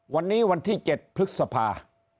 วันนี้วันที่๗พฤษภา